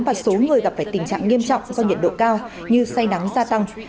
những người gặp phải tình trạng nghiêm trọng do nhiệt độ cao như say nắng gia tăng